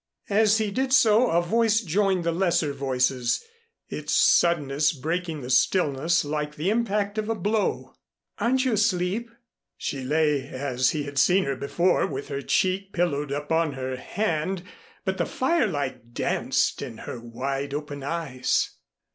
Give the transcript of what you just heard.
As he did so a voice joined the lesser voices, its suddenness breaking the stillness like the impact of a blow. "Aren't you asleep?" She lay as he had seen her before, with her cheek pillowed upon her hand, but the firelight danced in her wide open eyes.